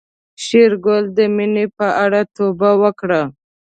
شېرګل د مينې په اړه توبه وکړه.